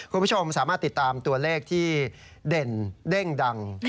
คุณผู้ชมสามารถติดตามตัวเลขที่เด่นเด้งดัง